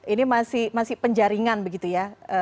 ini masih penjaringan begitu ya